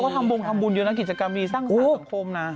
เขาก็ทำบุญอยู่นะกิจกรรมมีส่ังสราจสังคมนะ